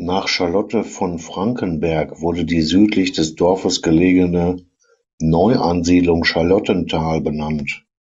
Nach Charlotte von Frankenberg wurde die südlich des Dorfes gelegene Neuansiedlung Charlottenthal benannt.